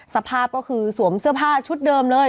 สภาพก็คือสวมเสื้อผ้าชุดเดิมเลย